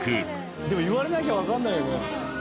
でも言われなきゃわからないよね。